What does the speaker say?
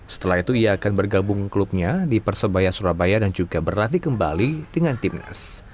setelah itu ia akan bergabung klubnya di persebaya surabaya dan juga berlatih kembali dengan timnas